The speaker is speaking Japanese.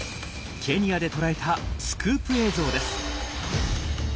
ケニアで捉えたスクープ映像です。